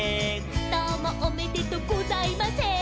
「どうもおめでとうございません」